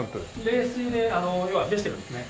冷水で冷やしてるんですね。